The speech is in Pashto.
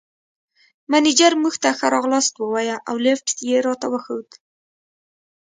مېنېجر موږ ته ښه راغلاست ووایه او لېفټ یې راته وښود.